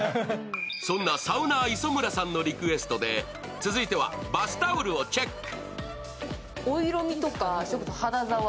そんなサウナー・磯村さんのリクエストで続いてはバスタオルをチェック。